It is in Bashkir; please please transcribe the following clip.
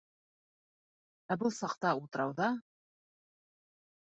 Ә был саҡта утрауҙа...